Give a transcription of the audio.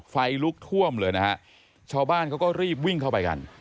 ไฟลุกท่วมเลยนะฮะชาวบ้านเขาก็รีบวิ่งเข้าไปกัน